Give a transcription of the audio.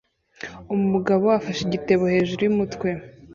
Umugabo afashe igitebo hejuru yumutwe